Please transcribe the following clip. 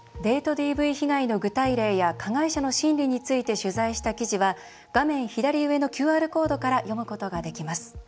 ＤＶ被害の具体例や加害者の心理について取材した記事は画面左上のＱＲコードから読むことができます。